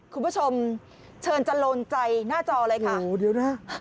คุณผู้ชมเชิญจะโลนใจหน้าจอเลยค่ะโหเดี๋ยวนะ